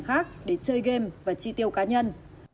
khác để chơi game và chi tiêu cá nhân